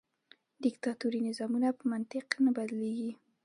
دیکتاتوري نظامونه په منطق نه بدلیږي.